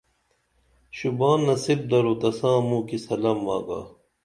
شوباں نصیب درو تساں موں کی سلم آگا